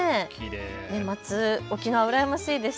年末、沖縄うらやましいですね。